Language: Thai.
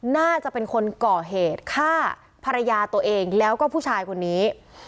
น่าจะเป็นคนก่อเหตุฆ่าภรรยาตัวเองแล้วก็ผู้ชายคนนี้